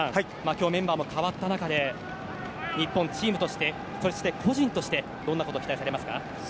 今日、メンバーも変わった中で日本チームとしてそして個人としてどんなことを期待されますか。